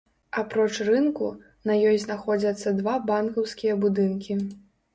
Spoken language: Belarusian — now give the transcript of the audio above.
Апроч рынку, на ёй знаходзяцца два банкаўскія будынкі.